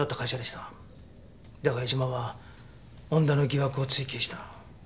だが江島は恩田の疑惑を追及した。